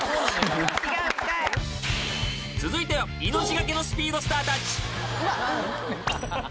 ［続いては命懸けのスピードスターたち］